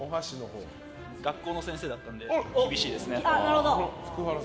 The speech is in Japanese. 学校の先生だったんで厳しいですね。